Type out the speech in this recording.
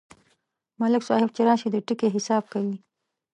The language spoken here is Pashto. ملک صاحب چې راشي، د ټکي حساب کوي.